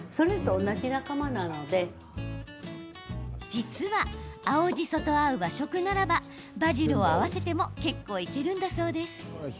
実は、大葉と合う和食ならばバジルを合わせても結構いけるのだそう。